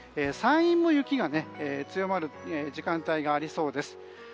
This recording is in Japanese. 山陰も雪が強まる時間帯がありそうです。